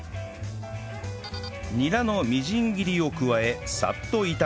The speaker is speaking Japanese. ニラのみじん切りを加えさっと炒めたら